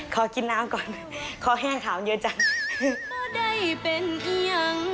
ขอกินน้ำก่อนข้อแห้งขาวเยอะจัง